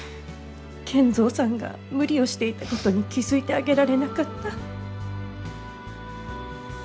賢三さんが無理をしていたことに気付いてあげられなかった。